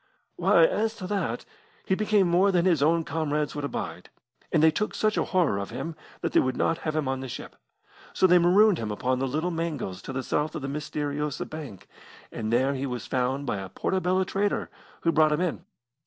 "Why, as to that, he became more than his own comrades could abide, and they took such a horror of him that they would not have him on the ship. So they marooned him upon the Little Mangles to the south of the Mysteriosa Bank, and there he was found by a Portobello trader, who brought him in.